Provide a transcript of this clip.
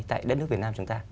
tại đất nước việt nam chúng ta